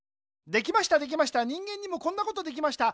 できましたできました人間にもこんなことできました。